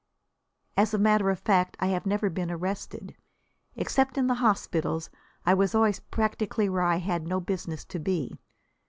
As a matter of fact, I have never been arrested. Except in the hospitals, I was always practically where I had no business to be.